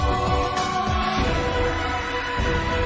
โอ้โอ้โอ้โอ้